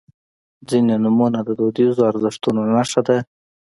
• ځینې نومونه د دودیزو ارزښتونو نښه ده.